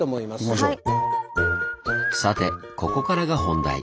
さてここからが本題。